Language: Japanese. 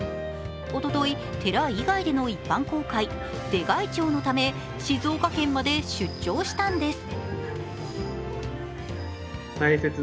おととい、寺以外での一般公開出開帳のため静岡県まで出張したんです。